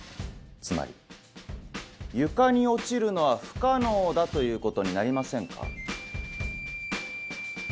つまり床に落ちるのは不可能だということになりませんか。